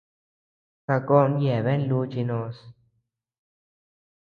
Sakon yeabean luuchi noos.